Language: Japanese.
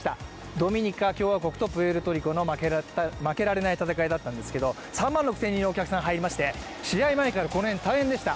ドミニカ共和国とプエルトリコの負けられない戦いだったんですけれども、３万６０００人のお客さんが入りまして試合前からこちら大変でした。